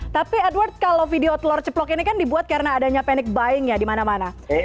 tapi edward kalau video telur ceplok ini kan dibuat karena adanya panic buying ya di mana mana